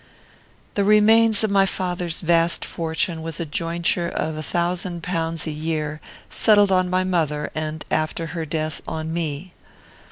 "The remains of my father's vast fortune was a jointure of a thousand pounds a year, settled on my mother, and, after her death, on me.